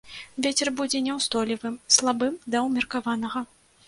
Вецер будзе няўстойлівым, слабым да ўмеркаванага.